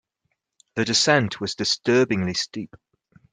The descent was disturbingly steep.